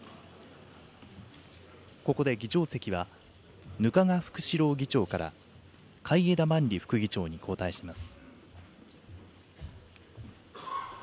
ここで議長席は、額賀福志郎議長から海江田万里副議長に交代します。